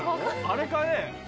あれかね？